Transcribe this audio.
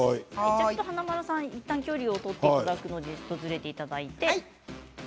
華丸さん、いったん距離を取っていただくのでずれていただいて。